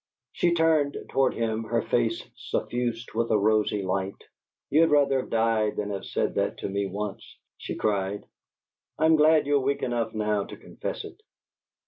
She turned toward him, her face suffused with a rosy light. "You'd rather have died than have said that to me once," she cried. "I'm glad you're weak enough now to confess it!"